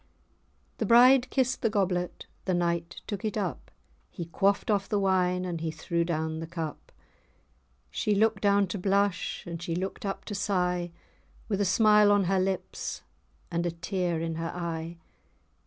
The bride kissed the goblet; the knight took it up, He quaffed off the wine, and he threw down the cup. She looked down to blush, and she looked up to sigh, With a smile on her lips, and a tear in her eye.